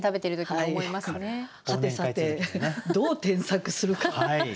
はてさてどう添削するか。